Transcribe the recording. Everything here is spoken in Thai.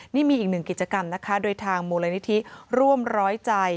นี่มีอีกหนึ่งกิจกรรมนะคะโดยทางมูลนิธิร่วมร้อยใจ